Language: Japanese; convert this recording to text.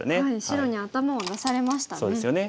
白に頭を出されましたね。